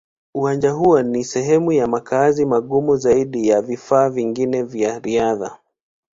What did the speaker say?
Uwanja huo ni sehemu ya makazi magumu zaidi ya vifaa vingine vya riadha.